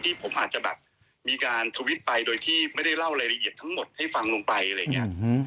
ผมอาจจะแบบมีการทวิตไปโดยที่ไม่ได้เล่ารายละเอียดทั้งหมดให้ฟังลงไปอะไรอย่างนี้